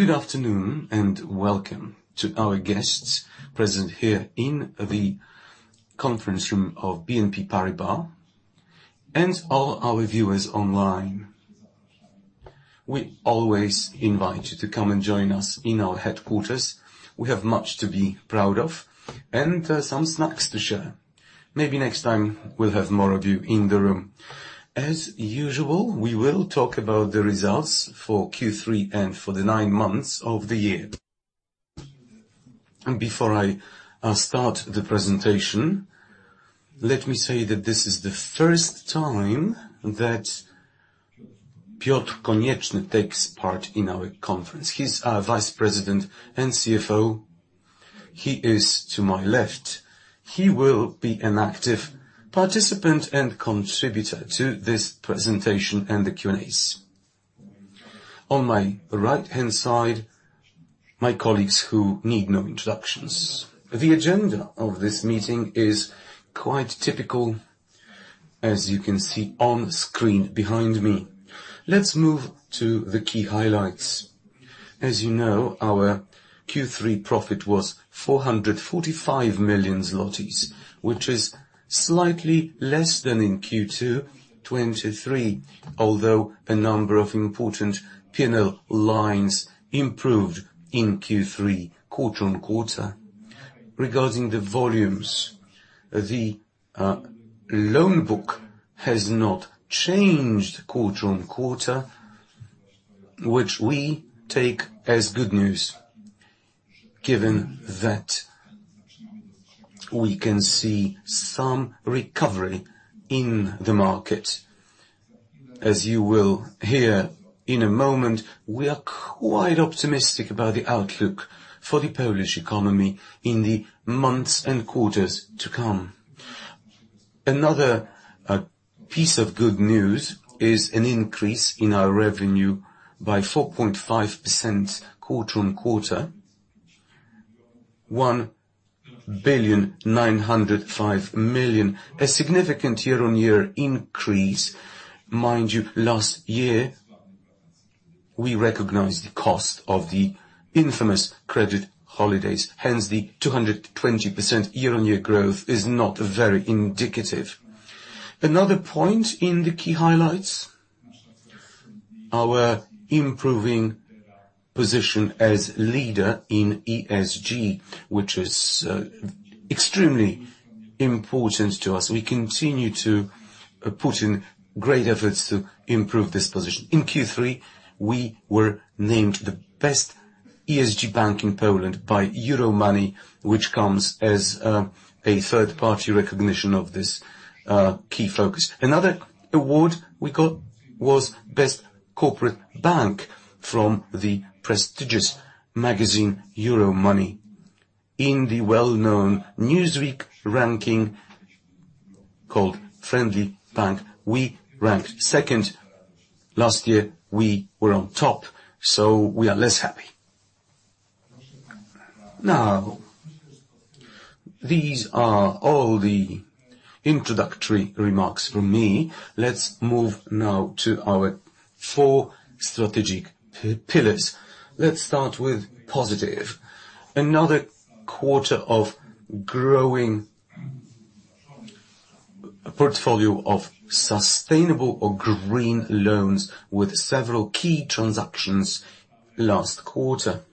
Good afternoon, and welcome to our guests present here in the conference room of BNP Paribas, and all our viewers online. We always invite you to come and join us in our headquarters. We have much to be proud of, and some snacks to share. Maybe next time we'll have more of you in the room. As usual, we will talk about the results for Q3 and for the nine months of the year. Before I start the presentation, let me say that this is the first time that Piotr Konieczny takes part in our conference. He's our Vice President and CFO. He is to my left. He will be an active participant and contributor to this presentation and the Q&As. On my right-hand side, my colleagues who need no introductions. The agenda of this meeting is quite typical, as you can see on screen behind me. Let's move to the key highlights. As you know, our Q3 profit was 445 million zlotys, which is slightly less than in Q2 2023, although a number of important P&L lines improved in Q3 quarter-on-quarter. Regarding the volumes, the loan book has not changed quarter-on-quarter, which we take as good news, given that we can see some recovery in the market. As you will hear in a moment, we are quite optimistic about the outlook for the Polish economy in the months and quarters to come. Another piece of good news is an increase in our revenue by 4.5% quarter-on-quarter, 1,905 million, a significant year-on-year increase. Mind you, last year, we recognized the cost of the infamous credit holidays. Hence, the 220% year-on-year growth is not very indicative. Another point in the key highlights, our improving position as leader in ESG, which is, extremely important to us. We continue to, put in great efforts to improve this position. In Q3, we were named the best ESG bank in Poland by Euromoney, which comes as, a third-party recognition of this, key focus. Another award we got was Best Corporate Bank from the prestigious magazine, Euromoney. In the well-known Newsweek ranking, called Friendly Bank, we ranked second. Last year, we were on top, so we are less happy. Now, these are all the introductory remarks from me. Let's move now to our four strategic pillars. Let's start with positive. Another quarter of growing portfolio of sustainable or green loans with several key transactions last quarter,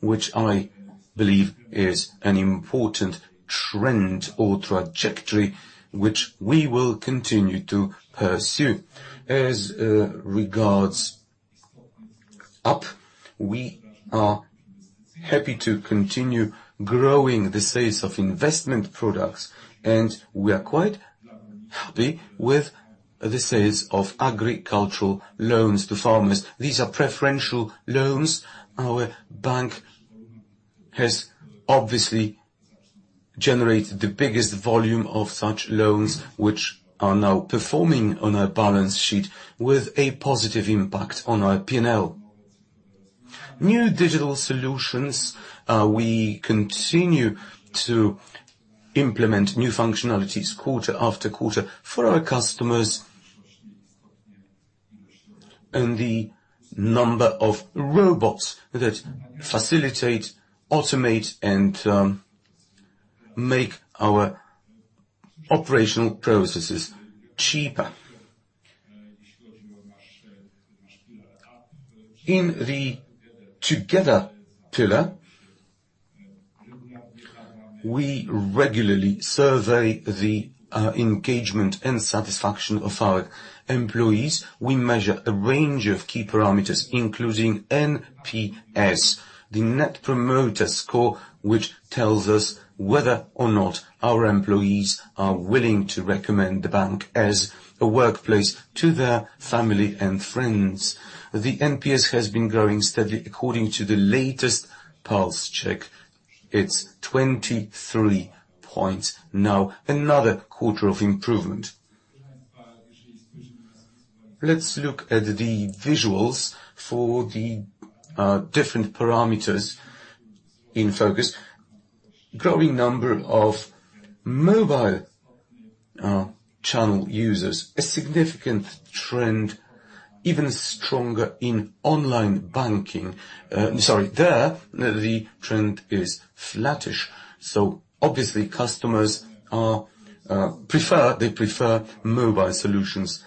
which I believe is an important trend or trajectory, which we will continue to pursue. As regards ESG, we are happy to continue growing the sales of investment products, and we are quite happy with the sales of agricultural loans to farmers. These are preferential loans. Our bank has obviously generated the biggest volume of such loans, which are now performing on our balance sheet with a positive impact on our P&L. New digital solutions, we continue to implement new functionalities quarter after quarter for our customers and the number of robots that facilitate, automate, and make our operational processes cheaper. In the Together pillar, we regularly survey the engagement and satisfaction of our employees. We measure a range of key parameters, including NPS, the Net Promoter Score, which tells us whether or not our employees are willing to recommend the bank as a workplace to their family and friends. The NPS has been growing steadily. According to the latest pulse check, it's 23 points now. Another quarter of improvement. Let's look at the visuals for the different parameters in focus. Growing number of mobile channel users. A significant trend, even stronger in online banking, sorry, there, the trend is flattish. So obviously, customers are prefer, they prefer mobile solutions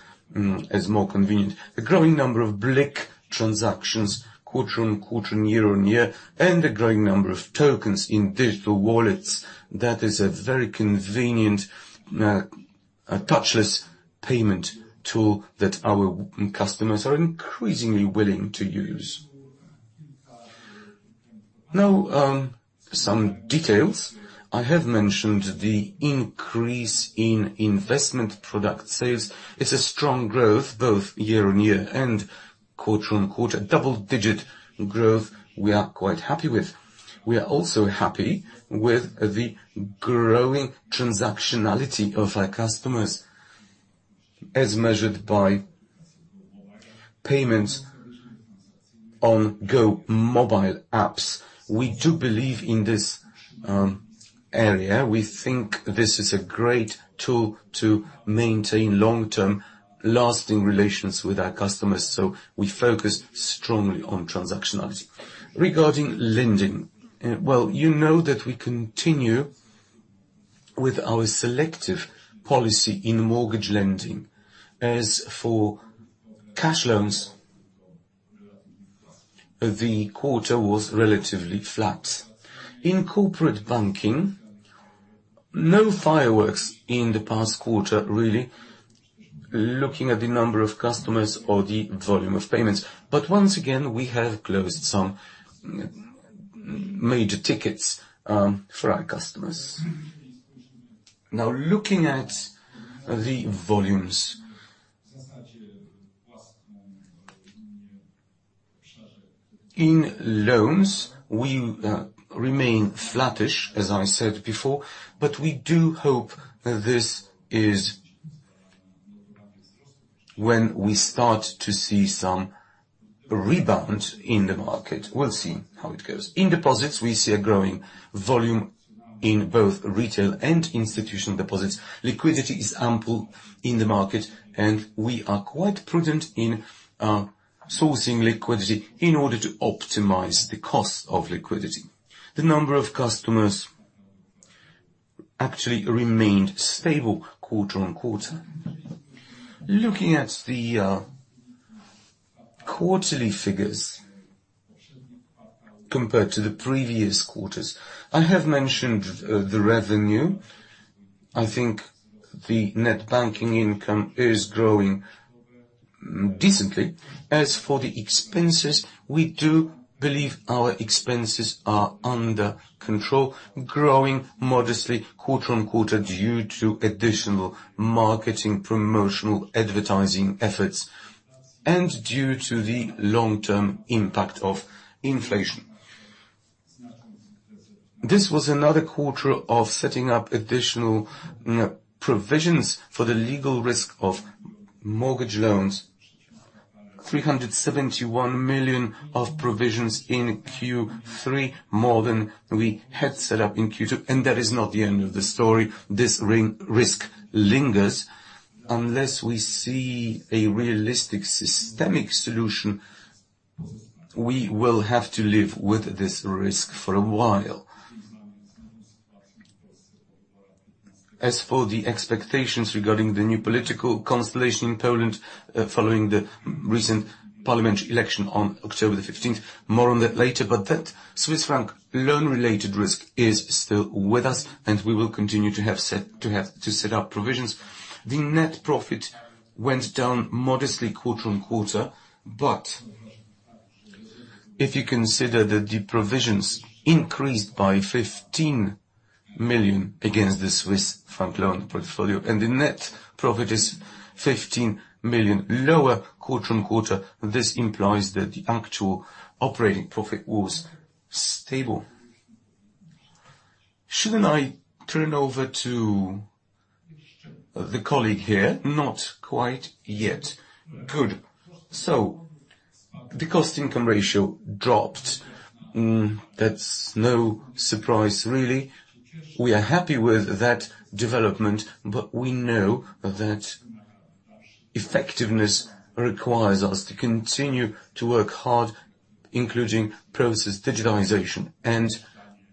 as more convenient. The growing number of BLIK transactions, quarter on quarter, year on year, and the growing number of tokens in digital wallets, that is a very convenient touchless payment tool that our customers are increasingly willing to use. Now, some details. I have mentioned the increase in investment product sales. It's a strong growth, both year-on-year and quarter-on-quarter. Double-digit growth, we are quite happy with. We are also happy with the growing transactionality of our customers, as measured by payments on GOmobile apps. We do believe in this area. We think this is a great tool to maintain long-term, lasting relations with our customers, so we focus strongly on transactionality. Regarding lending, well, you know that we continue with our selective policy in mortgage lending. As for cash loans, the quarter was relatively flat. In corporate banking, no fireworks in the past quarter, really, looking at the number of customers or the volume of payments. But once again, we have closed some major tickets for our customers. Now, looking at the volumes. In loans, we remain flattish, as I said before, but we do hope that this is when we start to see some rebound in the market. We'll see how it goes. In deposits, we see a growing volume in both retail and institutional deposits. Liquidity is ample in the market, and we are quite prudent in sourcing liquidity in order to optimize the cost of liquidity. The number of customers actually remained stable quarter on quarter. Looking at the quarterly figures compared to the previous quarters, I have mentioned the revenue. I think the net banking income is growing decently. As for the expenses, we do believe our expenses are under control, growing modestly quarter on quarter due to additional marketing, promotional, advertising efforts, and due to the long-term impact of inflation. This was another quarter of setting up additional provisions for the legal risk of mortgage loans, 371 million of provisions in Q3, more than we had set up in Q2, and that is not the end of the story. This risk lingers. Unless we see a realistic systemic solution, we will have to live with this risk for a while. As for the expectations regarding the new political constellation in Poland, following the recent parliamentary election on October the 15th, more on that later. But that Swiss franc loan-related risk is still with us, and we will continue to set up provisions. The net profit went down modestly quarter-on-quarter, but if you consider that the provisions increased by 15 million against the Swiss Franc loan portfolio, and the net profit is 15 million lower quarter-on-quarter, this implies that the actual operating profit was stable. Shouldn't I turn over to the colleague here? Not quite yet. Good. So the cost-income ratio dropped. Mm, that's no surprise, really. We are happy with that development, but we know that effectiveness requires us to continue to work hard, including process digitalization, and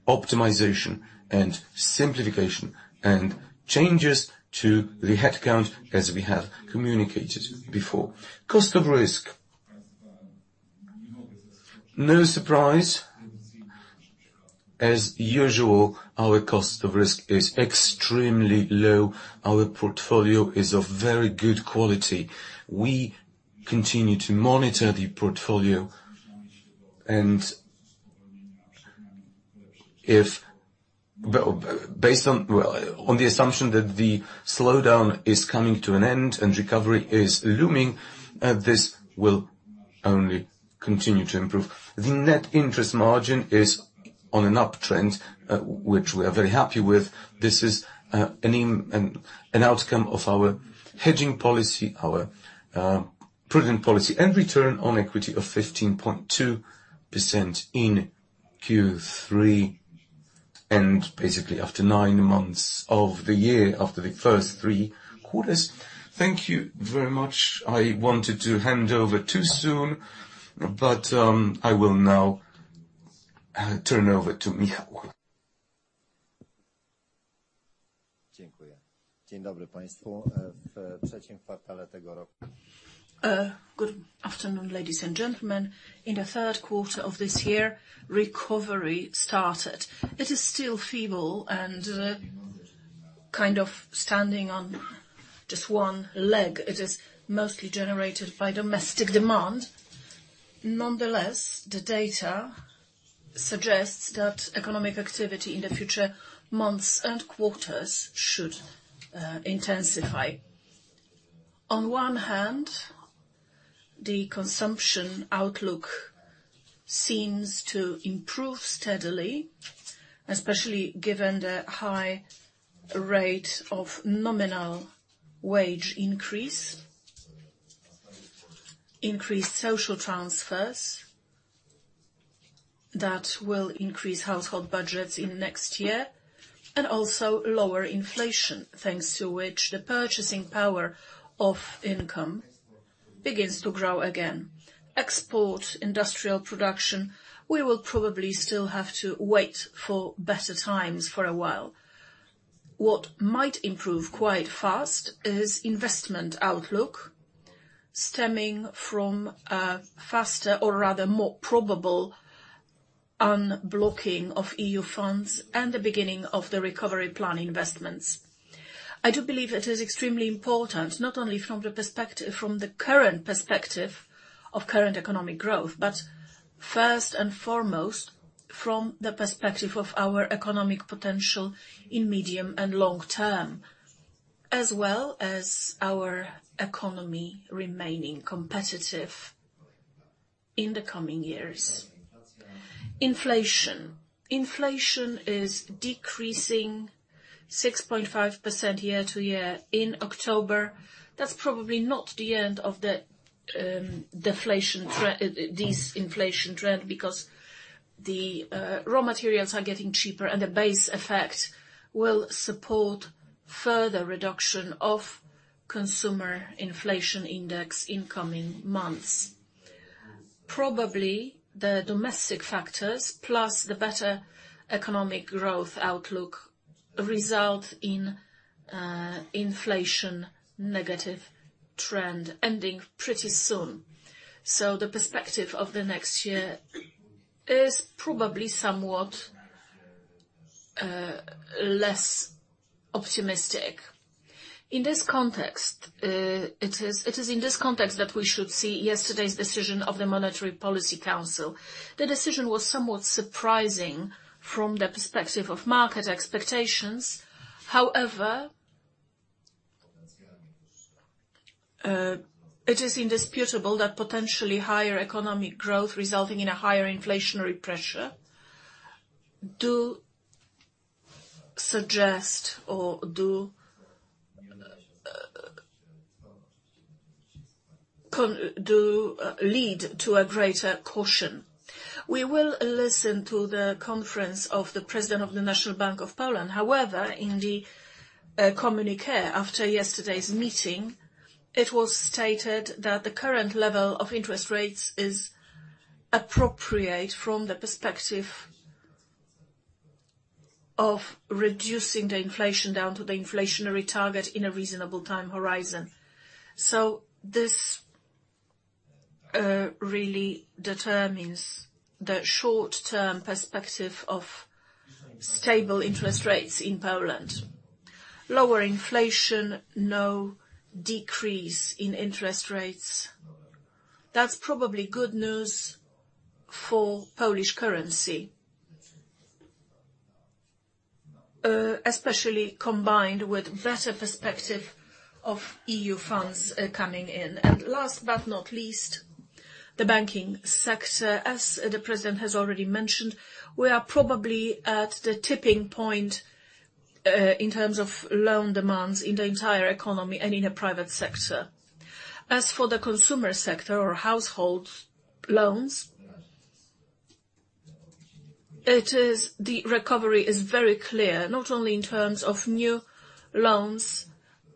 optimization, and simplification, and changes to the headcount, as we have communicated before. Cost of risk, no surprise. As usual, our cost of risk is extremely low. Our portfolio is of very good quality. We continue to monitor the portfolio, and if... Well, based on, well, on the assumption that the slowdown is coming to an end and recovery is looming, this will only continue to improve. The net interest margin is on an uptrend, which we are very happy with. This is an outcome of our hedging policy, our prudent policy, and return on equity of 15.2% in Q3, and basically after nine months of the year, after the first three quarters. Thank you very much. I wanted to hand over too soon, but I will now turn over to Michal. Good afternoon, ladies and gentlemen. In the third quarter of this year, recovery started. It is still feeble and, kind of standing on just one leg. It is mostly generated by domestic demand. Nonetheless, the data suggests that economic activity in the future months and quarters should, intensify. On one hand, the consumption outlook seems to improve steadily, especially given the high rate of nominal wage increase. Increased social transfers that will increase household budgets in next year, and also lower inflation, thanks to which the purchasing power of income begins to grow again. Export industrial production, we will probably still have to wait for better times for a while. What might improve quite fast is investment outlook, stemming from a faster or rather more probable unblocking of EU funds and the beginning of the recovery plan investments. I do believe it is extremely important, not only from the perspective from the current perspective of current economic growth, but first and foremost, from the perspective of our economic potential in medium and long term, as well as our economy remaining competitive in the coming years. Inflation. Inflation is decreasing 6.5% year-over-year in October. That's probably not the end of the disinflation trend, because the raw materials are getting cheaper, and the base effect will support further reduction of consumer inflation index in coming months. Probably, the domestic factors, plus the better economic growth outlook, result in inflation negative trend ending pretty soon. So the perspective of the next year is probably somewhat less optimistic. In this context, it is in this context that we should see yesterday's decision of the Monetary Policy Council. The decision was somewhat surprising from the perspective of market expectations. However, it is indisputable that potentially higher economic growth resulting in a higher inflationary pressure does suggest or do lead to a greater caution. We will listen to the conference of the President of the National Bank of Poland. However, in the communique after yesterday's meeting, it was stated that the current level of interest rates is appropriate from the perspective of reducing the inflation down to the inflationary target in a reasonable time horizon. So this really determines the short-term perspective of stable interest rates in Poland. Lower inflation, no decrease in interest rates. That's probably good news for Polish currency, especially combined with better perspective of EU funds coming in. And last but not least, the banking sector. As the President has already mentioned, we are probably at the tipping point in terms of loan demands in the entire economy and in the private sector. As for the consumer sector or households loans, it is. The recovery is very clear, not only in terms of new loans,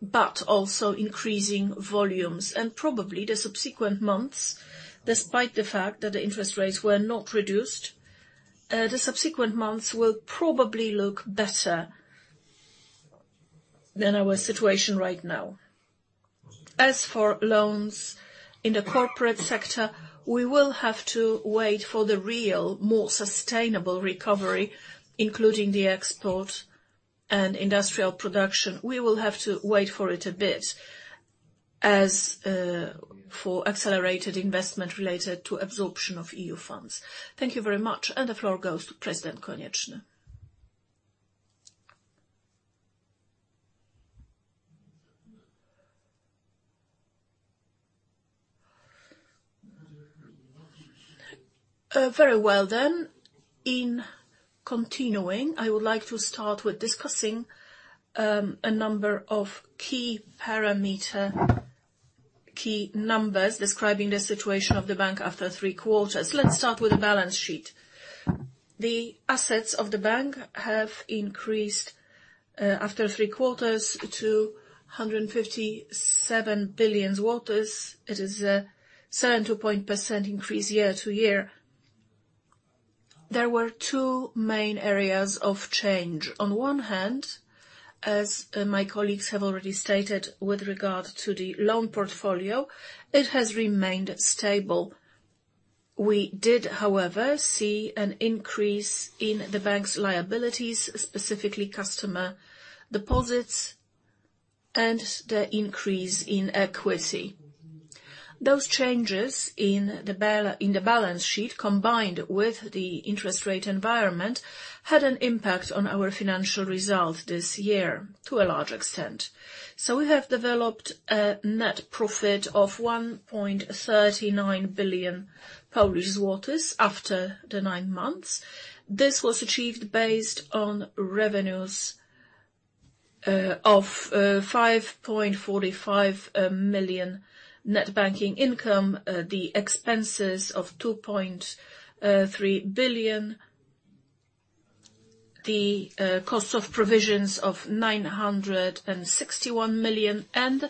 but also increasing volumes. And probably the subsequent months, despite the fact that the interest rates were not reduced, the subsequent months will probably look better than our situation right now. As for loans in the corporate sector, we will have to wait for the real, more sustainable recovery, including the export and industrial production. We will have to wait for it a bit, as for accelerated investment related to absorption of EU funds. Thank you very much. And the floor goes to President Konieczny. Very well then. In continuing, I would like to start with discussing a number of key numbers describing the situation of the bank after three quarters. Let's start with the balance sheet. The assets of the bank have increased after three quarters to 157 billion. It is a 7% increase year-over-year. There were two main areas of change. On one hand, as my colleagues have already stated with regard to the loan portfolio, it has remained stable. We did, however, see an increase in the bank's liabilities, specifically customer deposits, and the increase in equity. Those changes in the balance sheet, combined with the interest rate environment, had an impact on our financial results this year to a large extent. So we have developed a net profit of 1.39 billion Polish zlotys after the nine months. This was achieved based on revenues of 5.45 million net banking income, the expenses of 2.3 billion, the cost of provisions of 961 million, and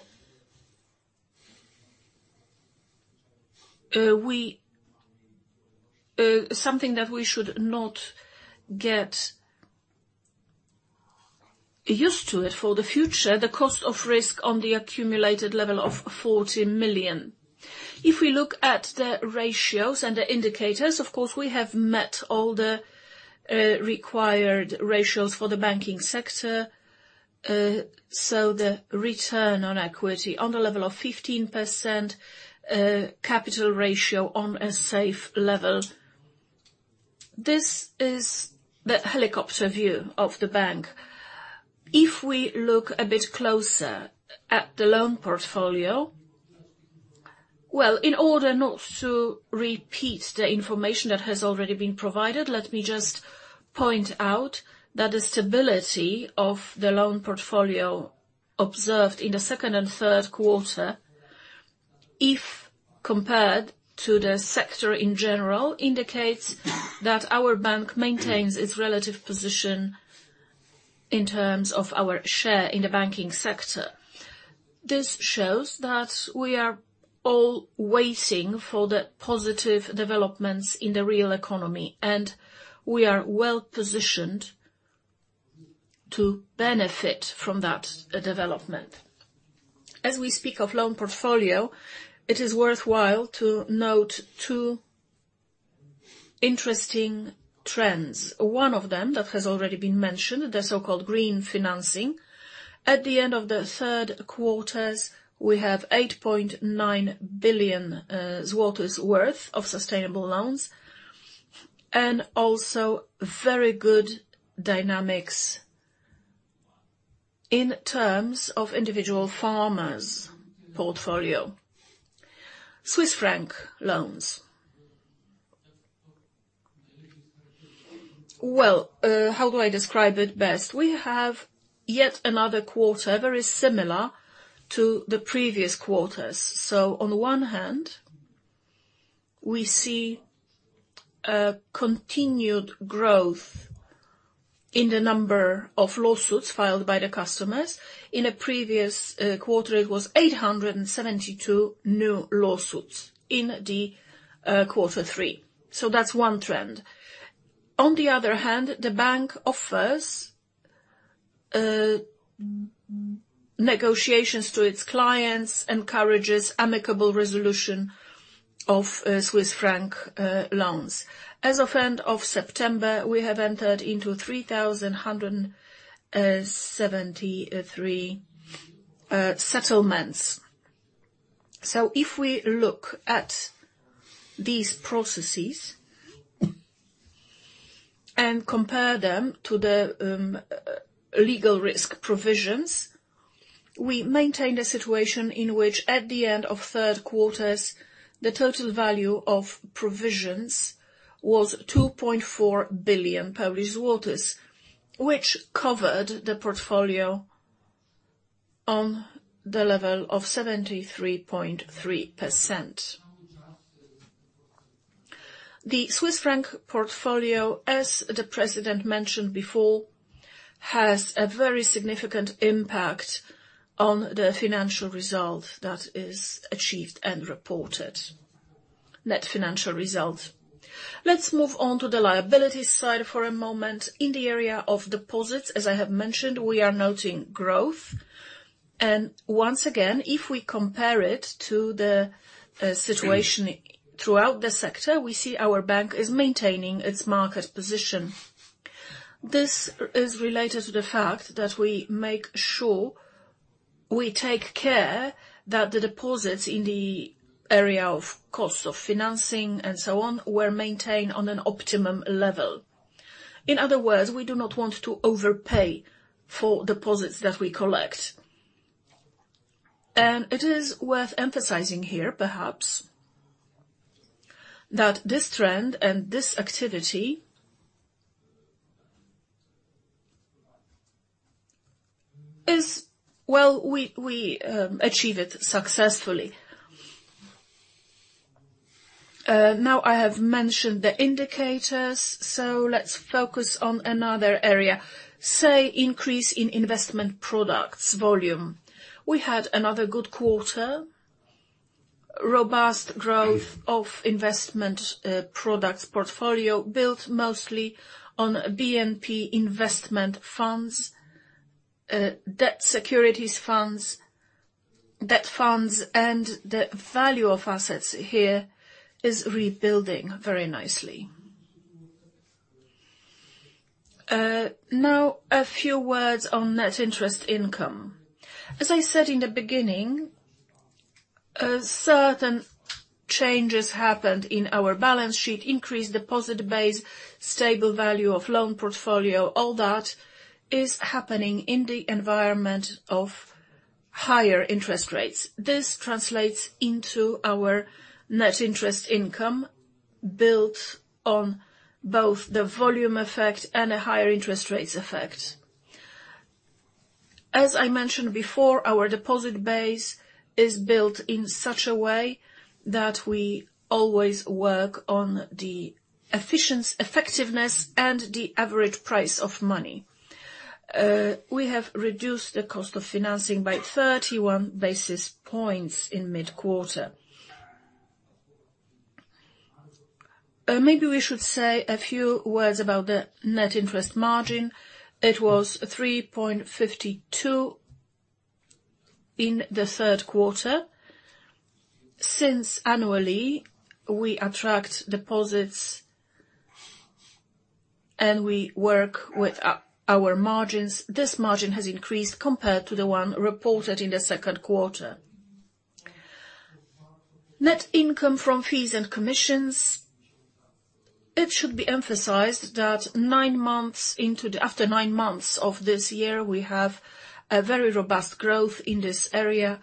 something that we should not get used to it for the future, the cost of risk on the accumulated level of 40 million. If we look at the ratios and the indicators, of course, we have met all the required ratios for the banking sector. So the return on equity on the level of 15%, capital ratio on a safe level. This is the helicopter view of the bank. If we look a bit closer at the loan portfolio... Well, in order not to repeat the information that has already been provided, let me just point out that the stability of the loan portfolio observed in the second and third quarter, if compared to the sector in general, indicates that our bank maintains its relative position in terms of our share in the banking sector. This shows that we are all waiting for the positive developments in the real economy, and we are well-positioned to benefit from that, development. As we speak of loan portfolio, it is worthwhile to note two interesting trends. One of them, that has already been mentioned, the so-called green financing. At the end of the third quarter, we have 8.9 billion zlotys worth of sustainable loans, and also very good dynamics in terms of individual farmers' portfolio. Swiss franc loans. Well, how do I describe it best? We have yet another quarter, very similar to the previous quarters. So on one hand, we see a continued growth in the number of lawsuits filed by the customers. In a previous quarter, it was 872 new lawsuits in the quarter three. So that's one trend. On the other hand, the bank offers negotiations to its clients, encourages amicable resolution of Swiss franc loans. As of end of September, we have entered into 3,173 settlements. So if we look at these processes, and compare them to the legal risk provisions, we maintain a situation in which, at the end of third quarters, the total value of provisions was 2.4 billion, which covered the portfolio on the level of 73.3%. The Swiss franc portfolio, as the President mentioned before, has a very significant impact on the financial result that is achieved and reported, net financial result. Let's move on to the liability side for a moment. In the area of deposits, as I have mentioned, we are noting growth. And once again, if we compare it to the situation throughout the sector, we see our bank is maintaining its market position. This is related to the fact that we make sure we take care that the deposits in the area of cost of financing and so on, were maintained on an optimum level. In other words, we do not want to overpay for deposits that we collect. And it is worth emphasizing here, perhaps, that this trend and this activity is, well, we achieve it successfully. Now I have mentioned the indicators, so let's focus on another area, say, increase in investment products volume. We had another good quarter. Robust growth of investment products portfolio, built mostly on BNP investment funds, debt securities funds, debt funds, and the value of assets here is rebuilding very nicely. Now, a few words on net interest income. As I said in the beginning, certain changes happened in our balance sheet, increased deposit base, stable value of loan portfolio. All that is happening in the environment of higher interest rates. This translates into our net interest income, built on both the volume effect and a higher interest rates effect. As I mentioned before, our deposit base is built in such a way that we always work on the efficient, effectiveness, and the average price of money. We have reduced the cost of financing by 31 basis points in mid-quarter. Maybe we should say a few words about the net interest margin. It was 3.52 in the third quarter. Since annually, we attract deposits, and we work with our margins, this margin has increased compared to the one reported in the second quarter. Net income from fees and commissions. It should be emphasized that after nine months of this year, we have a very robust growth in this area.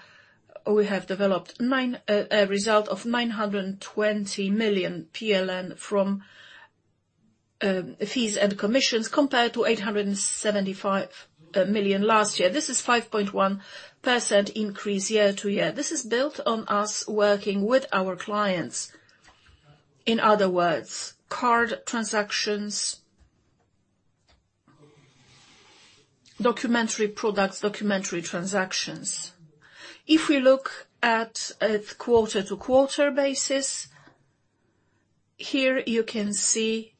We have developed a result of 920 million PLN from fees and commissions, compared to 875 million last year. This is 5.1% increase year-over-year. This is built on us working with our clients. In other words, card transactions, documentary products, documentary transactions. If we look at a quarter-to-quarter basis, here you can see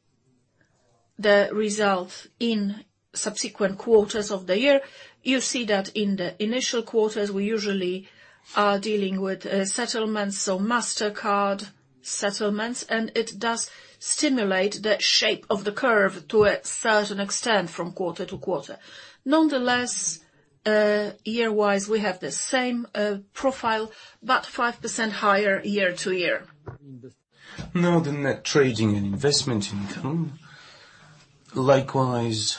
the results in subsequent quarters of the year. You see that in the initial quarters, we usually are dealing with, settlements, so Mastercard settlements, and it does stimulate the shape of the curve to a certain extent from quarter to quarter. Nonetheless, year-wise, we have the same, profile, about 5% higher year-to-year. Now, the net trading and investment income, likewise,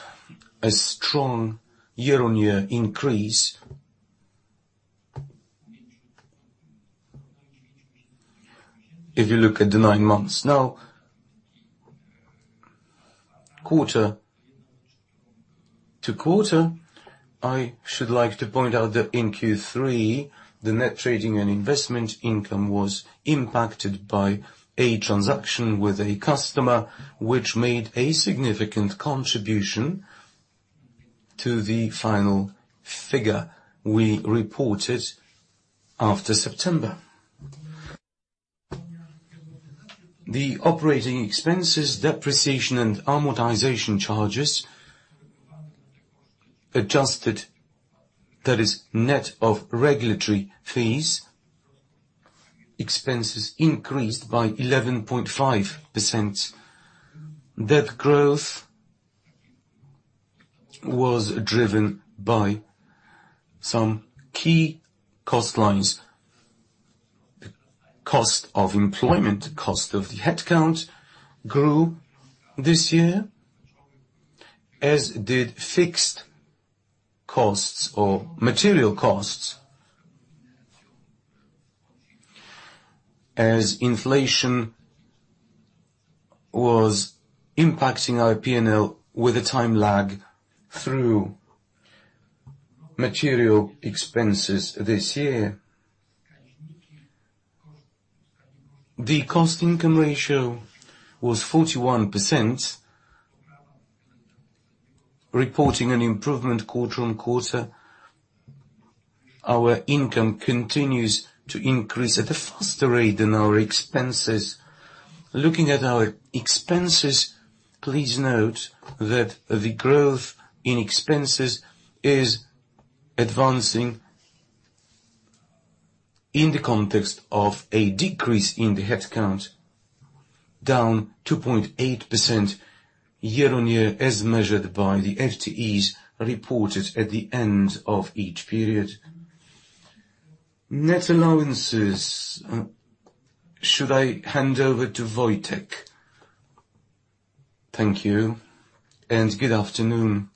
a strong year-on-year increase. If you look at the nine months. Now, quarter-over-quarter, I should like to point out that in Q3, the net trading and investment income was impacted by a transaction with a customer, which made a significant contribution to the final figure we reported after September. The operating expenses, depreciation, and amortization charges, adjusted, that is, net of regulatory fees, expenses increased by 11.5%. That growth was driven by some key cost lines. Cost of employment, cost of the headcount grew this year, as did fixed costs or material costs, as inflation was impacting our P&L with a time lag through material expenses this year. The cost-income ratio was 41%, reporting an improvement quarter-over-quarter. Our income continues to increase at a faster rate than our expenses. Looking at our expenses, please note that the growth in expenses is advancing in the context of a decrease in the headcount, down 2.8% year-on-year, as measured by the FTEs reported at the end of each period. Net allowances, should I hand over to Wojtek? Thank you, and good afternoon.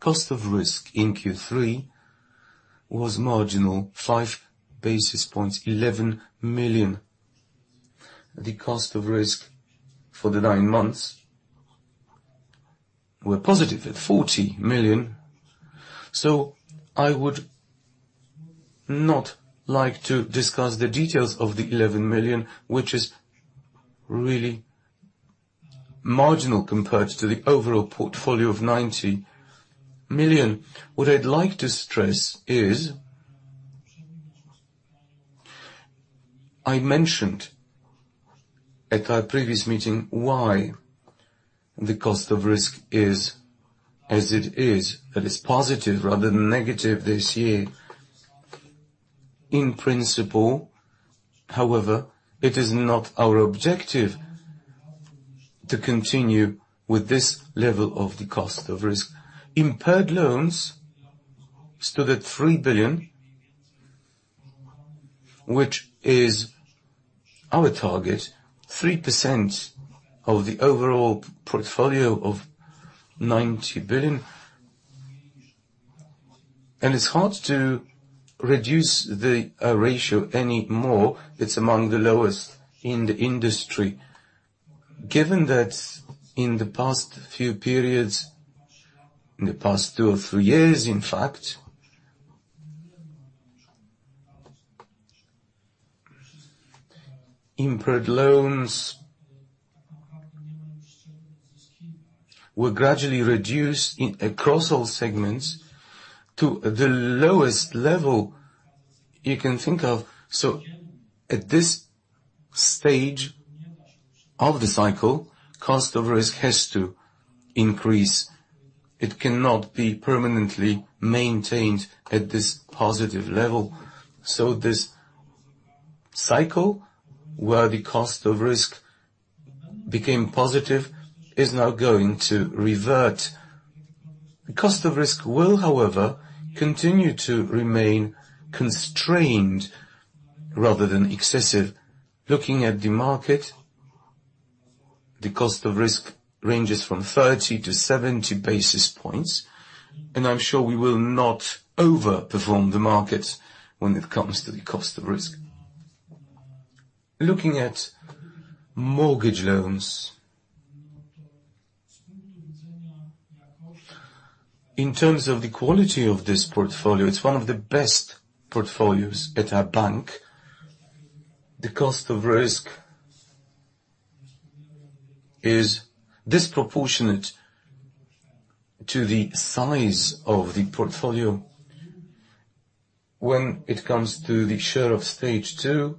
Cost of risk in Q3 was marginal, 5 basis points, 11 million. The cost of risk for the nine months were positive at 40 million. I would not like to discuss the details of the 11 million, which is really marginal compared to the overall portfolio of 90 million. What I'd like to stress is, I mentioned at our previous meeting why the cost of risk is, as it is, that it's positive rather than negative this year. In principle, however, it is not our objective to continue with this level of the cost of risk. Impaired loans stood at 3 billion, which is our target, 3% of the overall portfolio of 90 billion. And it's hard to reduce the, ratio any more. It's among the lowest in the industry. Given that in the past few periods, in the past two or three years, in fact, impaired loans will gradually reduce in, across all segments to the lowest level you can think of. So at this stage of the cycle, cost of risk has to increase. It cannot be permanently maintained at this positive level. So this cycle, where the cost of risk became positive, is now going to revert. The cost of risk will, however, continue to remain constrained rather than excessive. Looking at the market, the cost of risk ranges from 30-70 basis points, and I'm sure we will not over-perform the market when it comes to the cost of risk. Looking at mortgage loans, in terms of the quality of this portfolio, it's one of the best portfolios at our bank. The cost of risk is disproportionate to the size of the portfolio. When it comes to the share of stage two,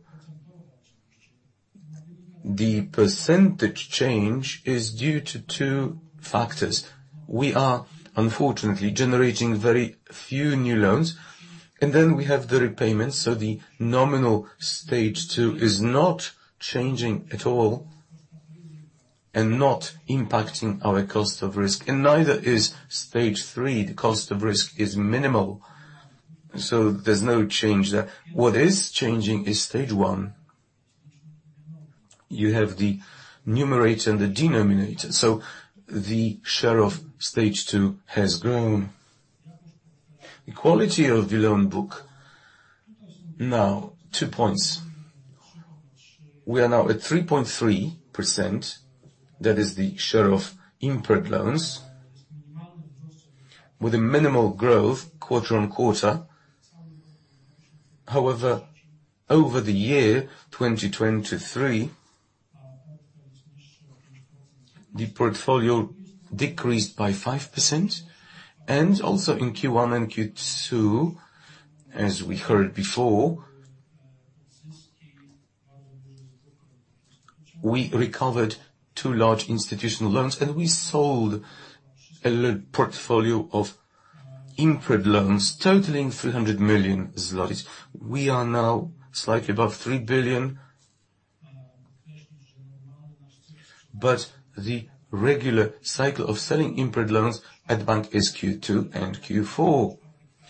the percentage change is due to two factors. We are unfortunately generating very few new loans, and then we have the repayments, so the nominal stage two is not changing at all and not impacting our cost of risk, and neither is stage three. The cost of risk is minimal, so there's no change there. What is changing is stage one. You have the numerator and the denominator, so the share of stage two has grown. The quality of the loan book, now two points. We are now at 3.3%, that is the share of impaired loans, with a minimal growth quarter-on-quarter. However, over the year 2023, the portfolio decreased by 5%, and also in Q1 and Q2, as we heard before, we recovered two large institutional loans, and we sold a little portfolio of impaired loans totaling 300 million zlotys. We are now slightly above 3 billion, but the regular cycle of selling impaired loans at bank is Q2 and Q4.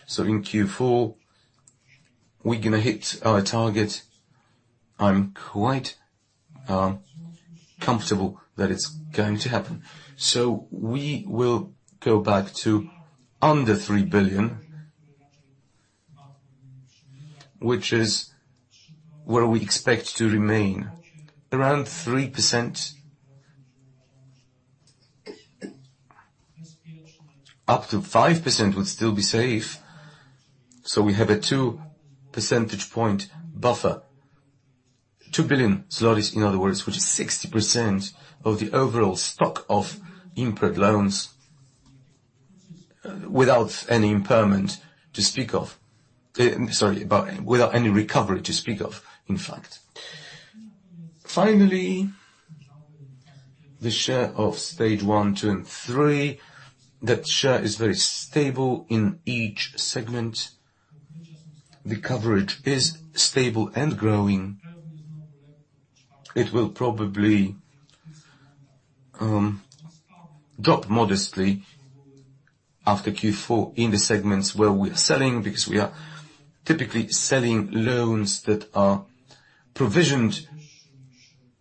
So in Q4, we're going to hit our target. I'm quite comfortable that it's going to happen. So we will go back to under 3 billion, which is where we expect to remain, around 3%. Up to 5% would still be safe, so we have a two percentage point buffer. 2 billion zlotys, in other words, which is 60% of the overall stock of impaired loans, without any impairment to speak of. Sorry, but without any recovery to speak of, in fact. Finally, the share of stage one, two, and three, that share is very stable in each segment. The coverage is stable and growing. It will probably drop modestly after Q4 in the segments where we are selling, because we are typically selling loans that are provisioned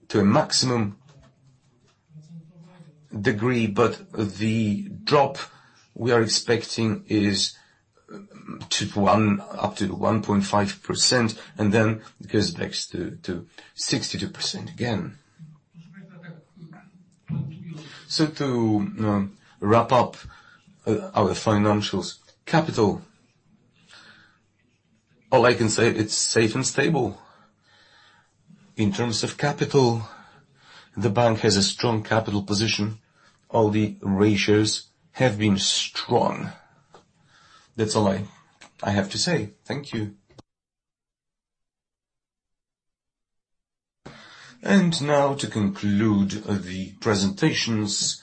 to a maximum degree, but the drop we are expecting is to one, up to 1.5%, and then it goes back to 62% again. So to wrap up our financials. Capital, all I can say, it's safe and stable. In terms of capital, the bank has a strong capital position. All the ratios have been strong. That's all I have to say. Thank you. And now to conclude the presentations,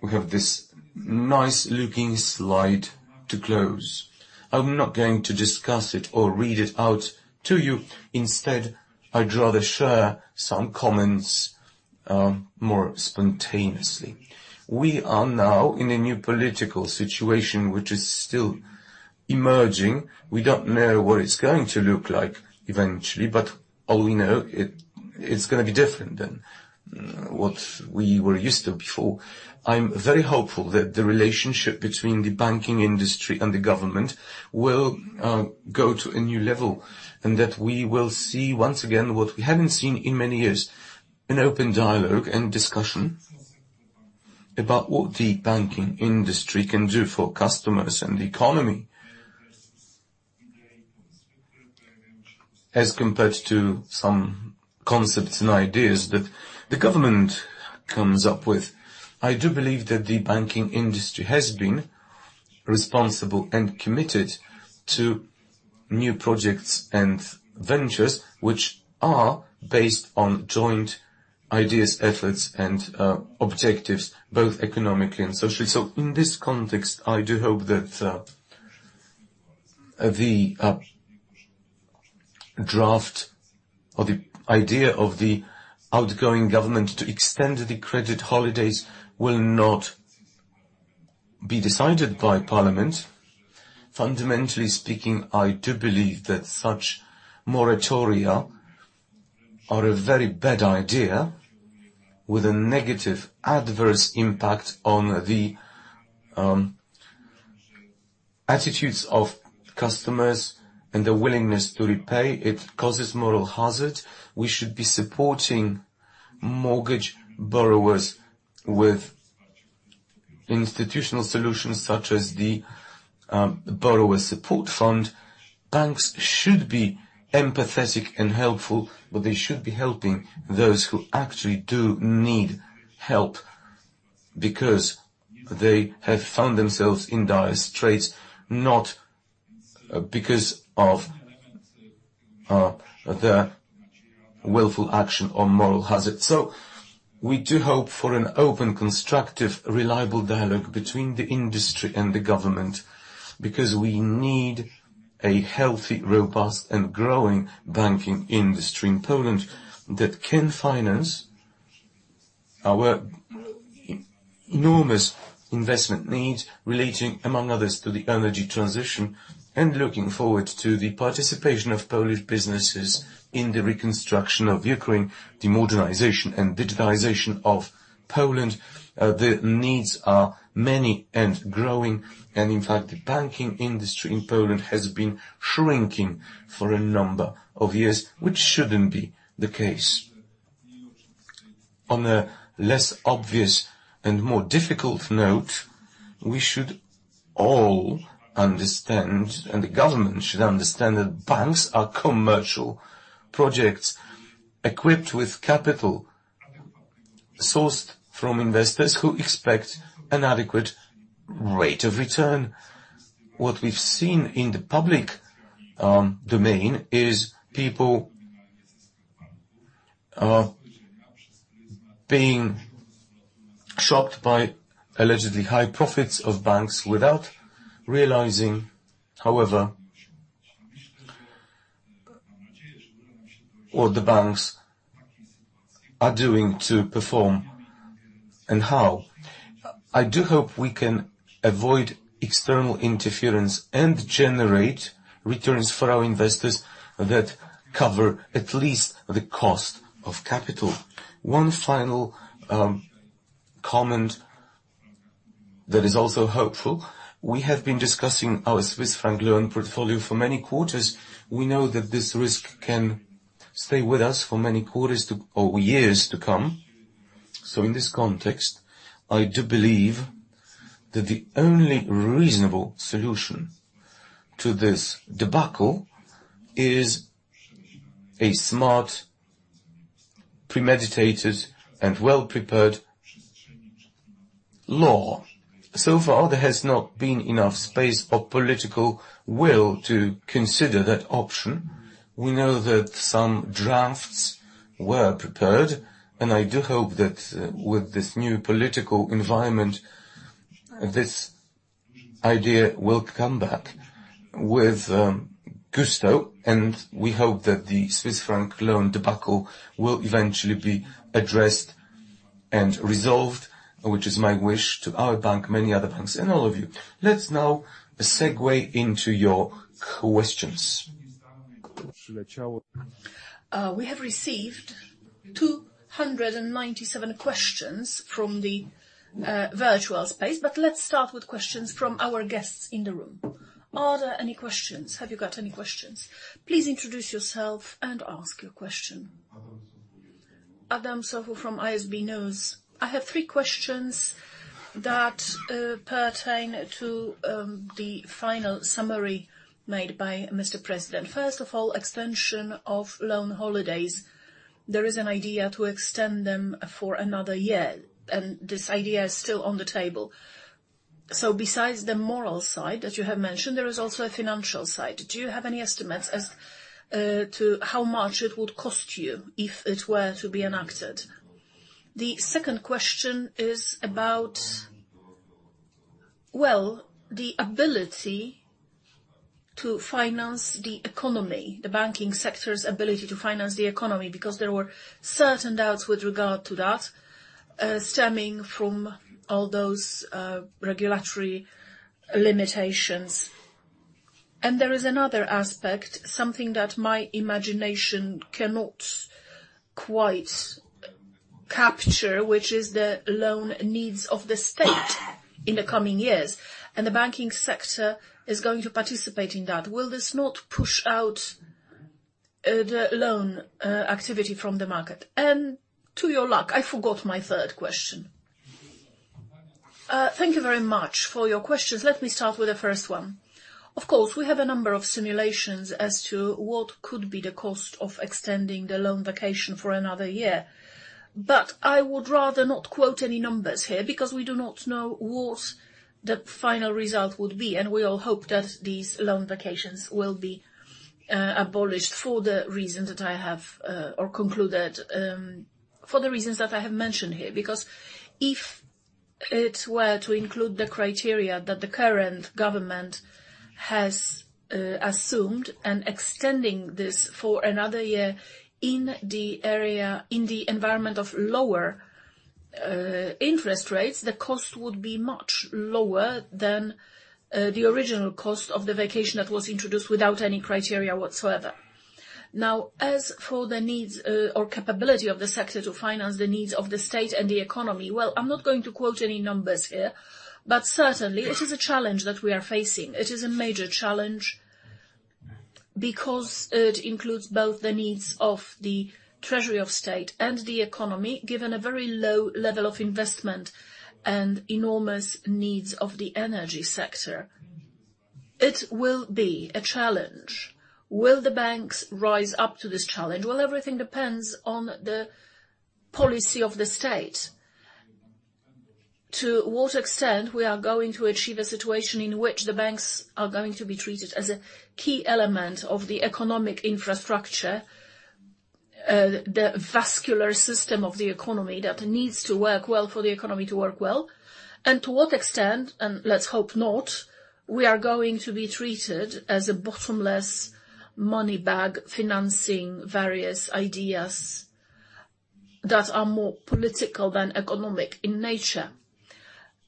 we have this nice-looking slide to close. I'm not going to discuss it or read it out to you. Instead, I'd rather share some comments more spontaneously. We are now in a new political situation, which is still emerging. We don't know what it's going to look like eventually, but all we know, it's gonna be different than what we were used to before. I'm very hopeful that the relationship between the banking industry and the government will go to a new level, and that we will see, once again, what we haven't seen in many years, an open dialogue and discussion about what the banking industry can do for customers and the economy. As compared to some concepts and ideas that the government comes up with. I do believe that the banking industry has been responsible and committed to new projects and ventures, which are based on joint ideas, efforts, and objectives, both economically and socially. So in this context, I do hope that the draft or the idea of the outgoing government to extend the credit holidays will not be decided by parliament. Fundamentally speaking, I do believe that such moratoria are a very bad idea with a negative adverse impact on the attitudes of customers and their willingness to repay. It causes moral hazard. We should be supporting mortgage borrowers with institutional solutions, such as the Borrower Support Fund. Banks should be empathetic and helpful, but they should be helping those who actually do need help because they have found themselves in dire straits, not because of their willful action or moral hazard. We do hope for an open, constructive, reliable dialogue between the industry and the government, because we need a healthy, robust, and growing banking industry in Poland that can finance our enormous investment needs, relating, among others, to the energy transition, and looking forward to the participation of Polish businesses in the reconstruction of Ukraine, the modernization and digitalization of Poland. The needs are many and growing, and in fact, the banking industry in Poland has been shrinking for a number of years, which shouldn't be the case. On a less obvious and more difficult note, we should all understand, and the government should understand, that banks are commercial projects equipped with capital sourced from investors who expect an adequate rate of return. What we've seen in the public domain is people being shocked by allegedly high profits of banks without realizing, however, what the banks are doing to perform and how. I do hope we can avoid external interference and generate returns for our investors that cover at least the cost of capital. One final comment that is also hopeful. We have been discussing our Swiss franc loan portfolio for many quarters. We know that this risk can stay with us for many quarters or years to come. So in this context, I do believe that the only reasonable solution to this debacle is a smart, premeditated, and well-prepared law. So far, there has not been enough space or political will to consider that option. We know that some drafts were prepared, and I do hope that with this new political environment, this idea will come back with gusto, and we hope that the Swiss franc loan debacle will eventually be addressed and resolved, which is my wish to our bank, many other banks, and all of you. Let's now segue into your questions. We have received 297 questions from the virtual space, but let's start with questions from our guests in the room. Are there any questions? Have you got any questions? Please introduce yourself and ask your question. Adam Sofuł from ISB News. I have three questions that pertain to the final summary made by Mr. President. First of all, extension of loan holidays. There is an idea to extend them for another year, and this idea is still on the table. So besides the moral side, that you have mentioned, there is also a financial side. Do you have any estimates as to how much it would cost you if it were to be enacted? The second question is about, well, the ability to finance the economy, the banking sector's ability to finance the economy, because there were certain doubts with regard to that, stemming from all those regulatory limitations. There is another aspect, something that my imagination cannot quite capture, which is the loan needs of the state in the coming years, and the banking sector is going to participate in that. Will this not push out the loan activity from the market? And to your luck, I forgot my third question. Thank you very much for your questions. Let me start with the first one. Of course, we have a number of simulations as to what could be the cost of extending the loan vacation for another year. But I would rather not quote any numbers here because we do not know what the final result would be, and we all hope that these loan vacations will be abolished for the reason that I have... Or concluded, for the reasons that I have mentioned here. Because if it were to include the criteria that the current government has assumed and extending this for another year in the area, in the environment of lower interest rates, the cost would be much lower than the original cost of the vacation that was introduced without any criteria whatsoever. Now, as for the needs or capability of the sector to finance the needs of the state and the economy, well, I'm not going to quote any numbers here, but certainly it is a challenge that we are facing. It is a major challenge because it includes both the needs of the Treasury of State and the economy, given a very low level of investment and enormous needs of the energy sector. It will be a challenge. Will the banks rise up to this challenge? Well, everything depends on the policy of the state. To what extent we are going to achieve a situation in which the banks are going to be treated as a key element of the economic infrastructure, the vascular system of the economy, that needs to work well for the economy to work well, and to what extent, and let's hope not, we are going to be treated as a bottomless money bag, financing various ideas that are more political than economic in nature.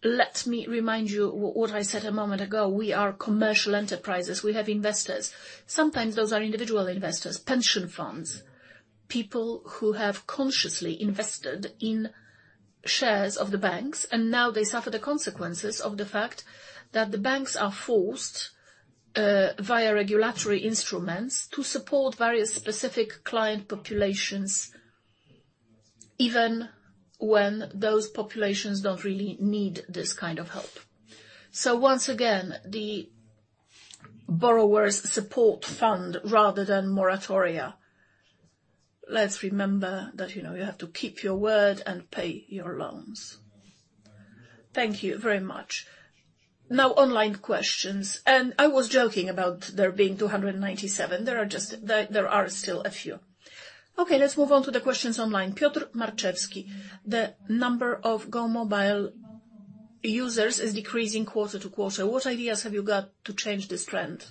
Let me remind you what, what I said a moment ago. We are commercial enterprises. We have investors. Sometimes those are individual investors, pension funds, people who have consciously invested in shares of the banks, and now they suffer the consequences of the fact that the banks are forced via regulatory instruments to support various specific client populations, even when those populations don't really need this kind of help. So once again, the Borrower's Support Fund rather than moratoria. Let's remember that, you know, you have to keep your word and pay your loans. Thank you very much. Now, online questions. I was joking about there being 297. There are just, there are still a few. Okay, let's move on to the questions online. Piotr Marczewski: The number of GOmobile users is decreasing quarter to quarter. What ideas have you got to change this trend?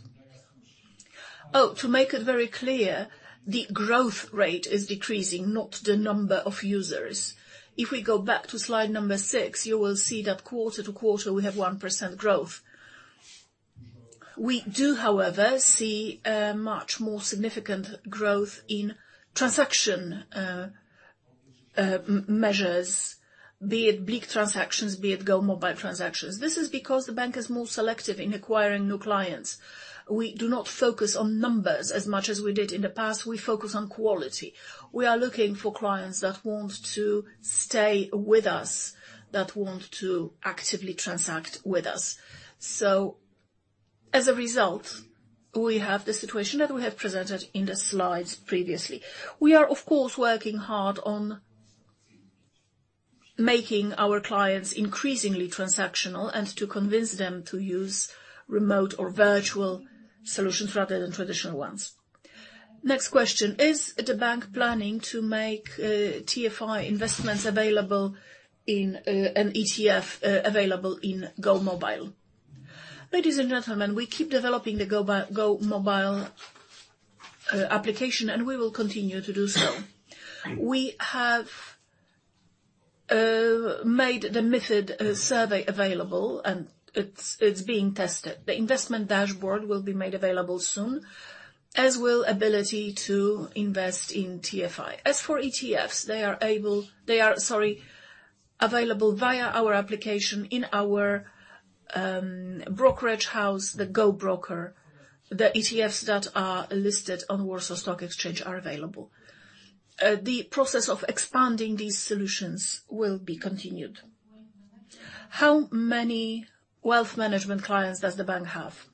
Oh, to make it very clear, the growth rate is decreasing, not the number of users. If we go back to slide number 6, you will see that quarter-to-quarter, we have 1% growth. We do, however, see a much more significant growth in transaction measures, be it BLIK transactions, be it GOmobile transactions. This is because the bank is more selective in acquiring new clients. We do not focus on numbers as much as we did in the past. We focus on quality. We are looking for clients that want to stay with us, that want to actively transact with us. So as a result, we have the situation that we have presented in the slides previously. We are, of course, working hard on making our clients increasingly transactional and to convince them to use remote or virtual solutions rather than traditional ones. Next question: Is the bank planning to make TFI investments available in an ETF available in GOmobile? Ladies and gentlemen, we keep developing the Go Mobile application, and we will continue to do so. We have made the MiFID survey available, and it's being tested. The investment dashboard will be made available soon, as will ability to invest in TFI. As for ETFs, they are available via our application in our brokerage house, the GObroker. The ETFs that are listed on Warsaw Stock Exchange are available. The process of expanding these solutions will be continued. How many wealth management clients does the bank have?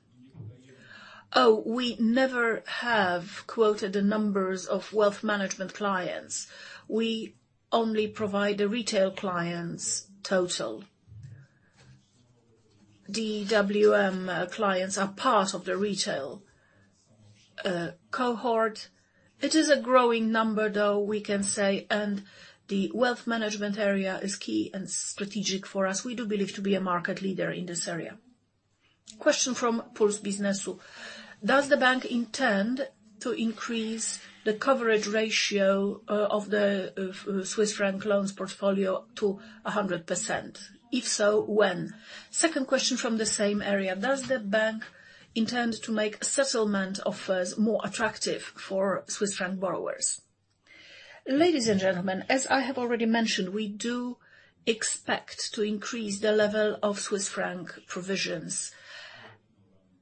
Oh, we never have quoted the numbers of wealth management clients. We only provide the retail clients total. The WM clients are part of the retail cohort. It is a growing number, though, we can say, and the wealth management area is key and strategic for us. We do believe to be a market leader in this area. Question from Puls Biznesu: Does the bank intend to increase the coverage ratio, of the Swiss franc loans portfolio to 100%? If so, when? Second question from the same area: Does the bank intend to make settlement offers more attractive for Swiss franc borrowers? Ladies and gentlemen, as I have already mentioned, we do expect to increase the level of Swiss franc provisions.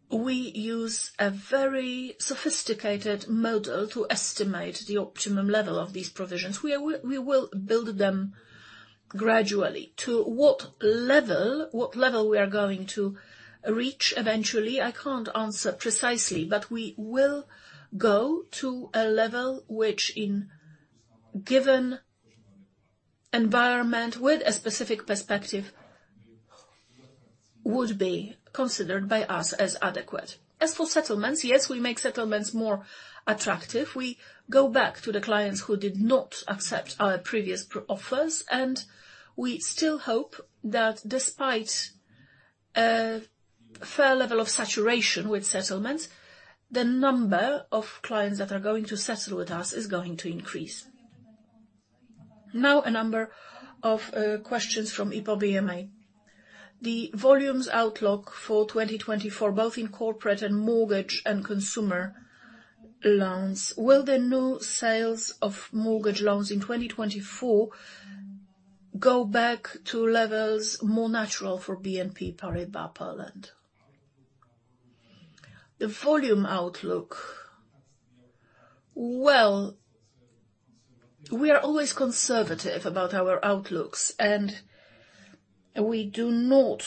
We use a very sophisticated model to estimate the optimum level of these provisions. We will, we will build them gradually. To what level, what level we are going to reach eventually, I can't answer precisely, but we will go to a level which, in given environment, with a specific perspective, would be considered by us as adequate. As for settlements, yes, we make settlements more attractive. We go back to the clients who did not accept our previous pro- offers, and we still hope that despite a fair level of saturation with settlements, the number of clients that are going to settle with us is going to increase. Now, a number of questions from Ipopema. The volumes outlook for 2024, both in corporate and mortgage and consumer loans, will the new sales of mortgage loans in 2024 go back to levels more natural for BNP Paribas Poland? The volume outlook. Well, we are always conservative about our outlooks, and we do not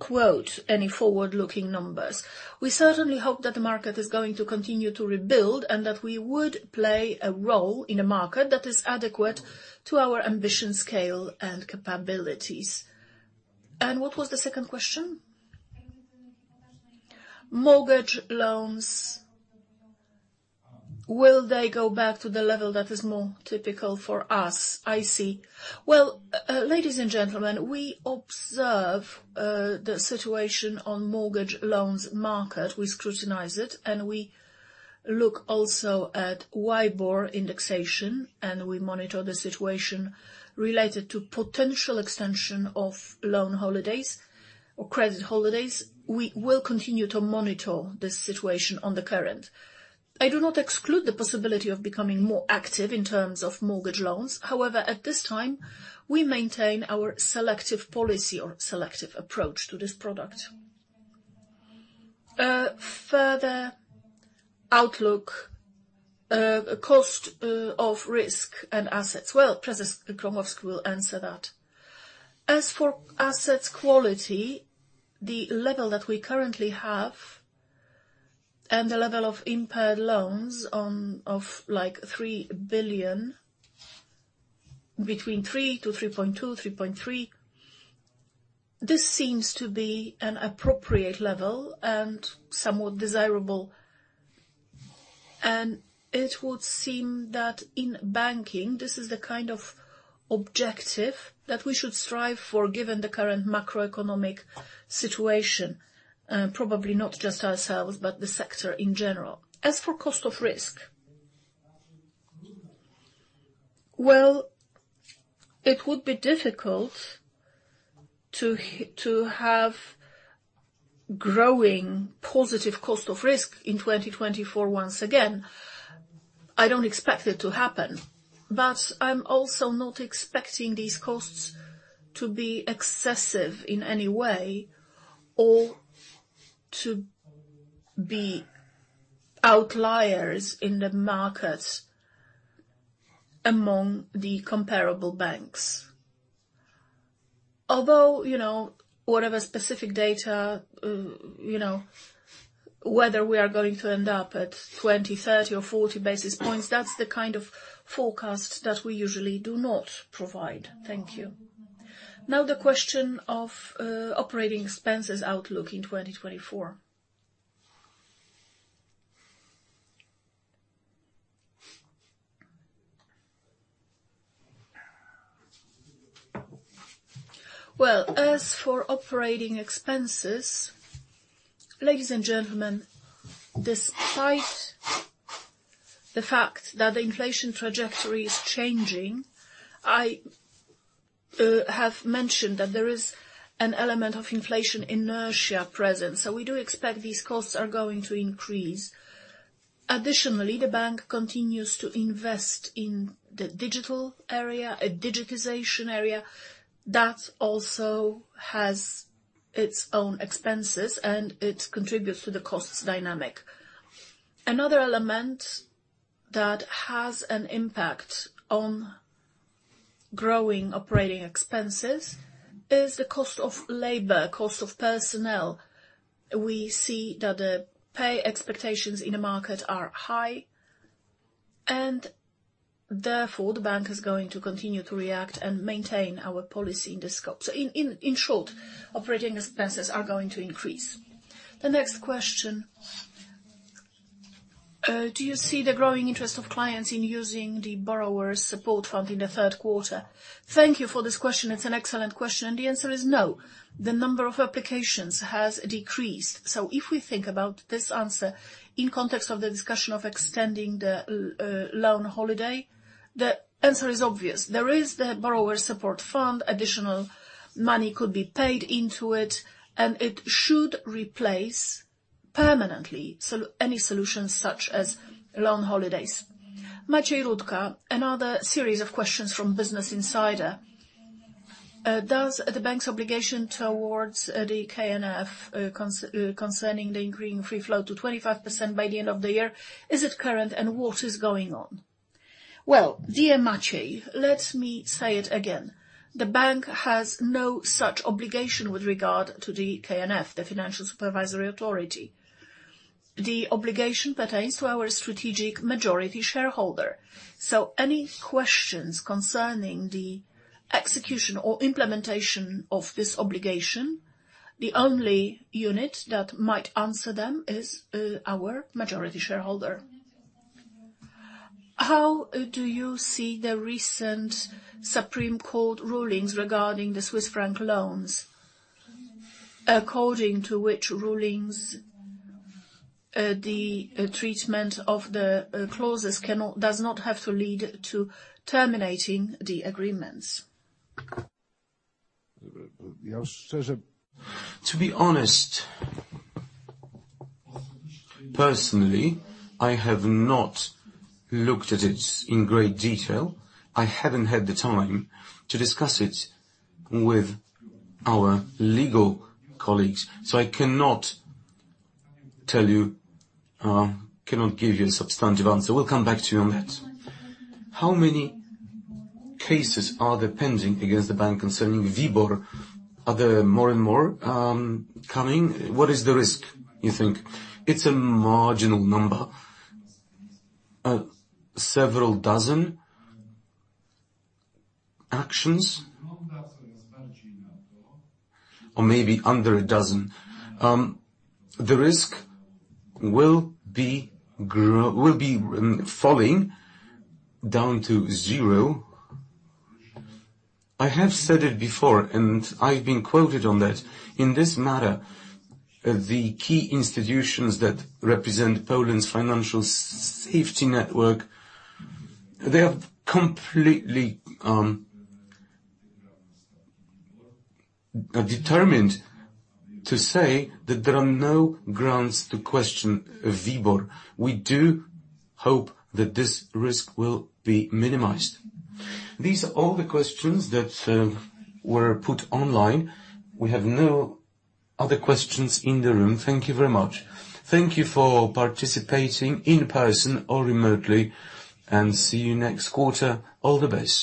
quote any forward-looking numbers. We certainly hope that the market is going to continue to rebuild, and that we would play a role in a market that is adequate to our ambition, scale, and capabilities. And what was the second question? Mortgage loans, will they go back to the level that is more typical for us? I see. Well, ladies and gentlemen, we observe the situation on mortgage loans market. We scrutinize it, and we look also at WIBOR indexation, and we monitor the situation related to potential extension of loan holidays or credit holidays. We will continue to monitor this situation on the current. I do not exclude the possibility of becoming more active in terms of mortgage loans. However, at this time, we maintain our selective policy or selective approach to this product. Further outlook, cost of risk and assets. Well, President Kembłowski will answer that. As for asset quality, the level that we currently have and the level of impaired loans of, like, 3 billion, between 3 to 3.2, 3.3, this seems to be an appropriate level and somewhat desirable. It would seem that in banking, this is the kind of objective that we should strive for, given the current macroeconomic situation. Probably not just ourselves, but the sector in general. As for cost of risk, well, it would be difficult to have growing positive cost of risk in 2024 once again. I don't expect it to happen, but I'm also not expecting these costs to be excessive in any way or to be outliers in the market among the comparable banks. Although, you know, whatever specific data, you know, whether we are going to end up at 20, 30, or 40 basis points, that's the kind of forecast that we usually do not provide. Thank you. Now, the question of operating expenses outlook in 2024. Well, as for operating expenses, ladies and gentlemen, despite the fact that the inflation trajectory is changing, I have mentioned that there is an element of inflation inertia present, so we do expect these costs are going to increase. Additionally, the bank continues to invest in the digital area, at digitization area. That also has its own expenses, and it contributes to the costs dynamic. Another element that has an impact on growing operating expenses is the cost of labor, cost of personnel. We see that the pay expectations in the market are high, and therefore, the bank is going to continue to react and maintain our policy in this scope. So in short, operating expenses are going to increase. The next question: do you see the growing interest of clients in using the borrower support fund in the third quarter? Thank you for this question. It's an excellent question, and the answer is no. The number of applications has decreased. So if we think about this answer in context of the discussion of extending the loan holiday, the answer is obvious. There is the borrower support fund. Additional money could be paid into it, and it should replace permanently any solutions such as loan holidays. Maciej Rudke, another series of questions from Business Insider. Does the bank's obligation towards the KNF concerning the increasing free float to 25% by the end of the year is it current, and what is going on? Well, dear Maciej, let me say it again. The bank has no such obligation with regard to the KNF, the Financial Supervisory Authority. The obligation pertains to our strategic majority shareholder. So any questions concerning the execution or implementation of this obligation, the only unit that might answer them is our majority shareholder. How do you see the recent Supreme Court rulings regarding the Swiss franc loans? According to which rulings, the treatment of the clauses cannot, does not have to lead to terminating the agreements. To be honest, personally, I have not looked at it in great detail. I haven't had the time to discuss it with our legal colleagues, so I cannot tell you. I cannot give you a substantive answer. We'll come back to you on that. How many cases are there pending against the bank concerning WIBOR? Are there more and more coming? What is the risk, you think? It's a marginal number, several dozen actions? Or maybe under a dozen. The risk will be falling down to zero. I have said it before, and I've been quoted on that. In this matter, the key institutions that represent Poland's financial safety network, they are completely determined to say that there are no grounds to question WIBOR. We do hope that this risk will be minimized. These are all the questions that were put online. We have no other questions in the room. Thank you very much. Thank you for participating in person or remotely, and see you next quarter. All the best.